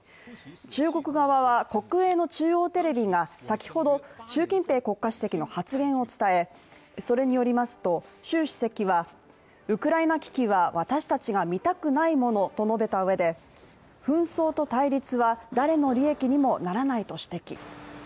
中国側は国営の中央テレビが先ほど習近平国家主席の発言を伝えそれによりますと習主席はウクライナ危機は私たちが見たくないものと述べたうえで、紛争と対立はだれの利益にもならないと指摘。